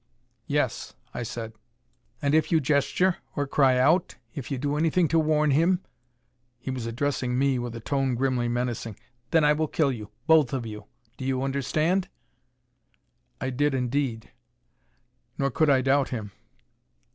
"Yes," I said. "And if you gesture, or cry out if you do anything to warn him," he was addressing me, with a tone grimly menacing "then I will kill you. Both of you. Do you understand?" I did indeed. Nor could I doubt him.